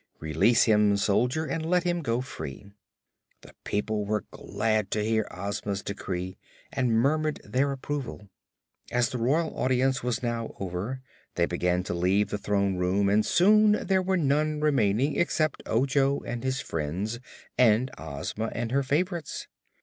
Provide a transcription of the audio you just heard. "Release him, Soldier, and let him go free." The people were glad to hear Ozma's decree and murmured their approval. As the royal audience was now over, they began to leave the Throne Room and soon there were none remaining except Ojo and his friends and Ozma and her favorites.